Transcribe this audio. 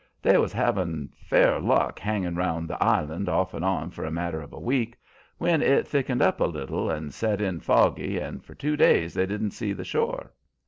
They was havin' fair luck, hangin' round the island off and on for a matter of a week, when it thickened up a little and set in foggy, and for two days they didn't see the shore.